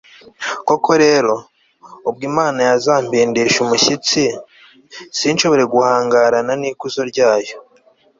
koko rero, ubwo imana yazampindisha umushyitsi, sinshobore guhangarana n'ikuzo ryayo